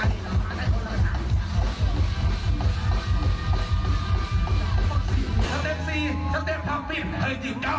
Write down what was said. สเต็ป๔สเต็ปทำผิดเฮ้ยจิ๊บจ๊อบ